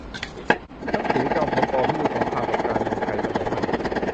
หนังสือ จอมพล ป. พิบูลสงคราม กับการเมืองไทยสมัยใหม่